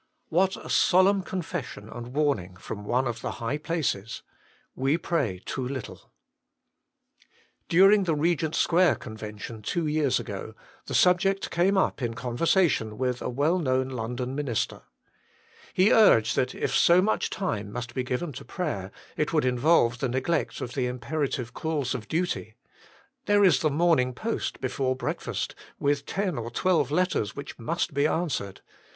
What a solemn confession and warning from one of the high places : We pray too little ! During the Eegent Square Convention two years ago the subject came up in conversation with a well known London minister. He urged that if so much time must be given to prayer, it would involve the neglect of the imperative calls of duty " There is the morning post, before breakfast, with ten or twelve letters which must be answered.